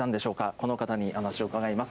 この方にお話を伺います。